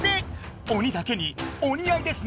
鬼だけに「おにあい」ですね。